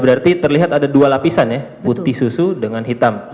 berarti terlihat ada dua lapisan ya putih susu dengan hitam